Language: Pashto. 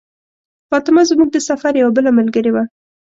فاطمه زموږ د سفر یوه بله ملګرې وه.